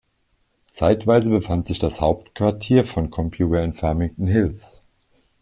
Zeitweise befand sich das Hauptquartier von Compuware in Farmington Hills.